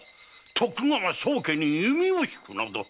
徳川宗家に弓を引くなど！